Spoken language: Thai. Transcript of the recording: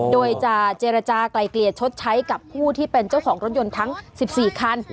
โดยจะเจรจากลายเกลี่ยชดใช้กับผู้ที่เป็นเจ้าของรถยนต์ทั้ง๑๔คัน